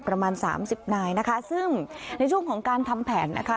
ประมาณสามสิบนายนะคะซึ่งในช่วงของการทำแผนนะคะ